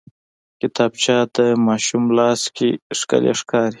کتابچه د ماشوم لاس کې ښکلي ښکاري